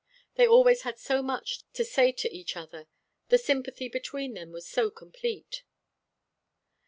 They always had so much to say to each other. The sympathy between them was so complete.